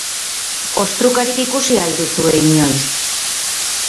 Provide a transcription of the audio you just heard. Ostrukarik ikusi al duzue, inoiz?